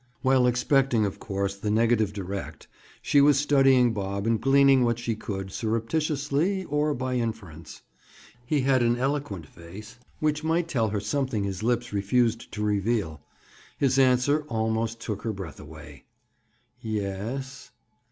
While expecting, of course, the negative direct, she was studying Bob and gleaning what she could, surreptitiously, or by inference. He had an eloquent face which might tell her something his lips refused to reveal. His answer almost took her breath away. "Ye es."